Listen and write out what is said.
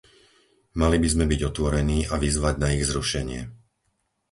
Myli by sme byť otvorení a vyzvať na ich zrušenie.